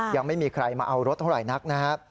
ยังไม่มีใครมาเอารถเท่าไหร่นักนะครับ